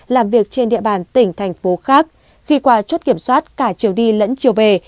làm việc trên địa bàn tỉnh thành phố khác khi qua chốt kiểm soát cả chiều đi lẫn chiều về